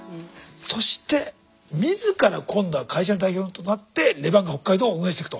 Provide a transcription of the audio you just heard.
そして自ら今度は会社の代表となってレバンガ北海道を運営していくと。